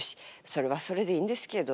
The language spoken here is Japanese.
それはそれでいいんですけど。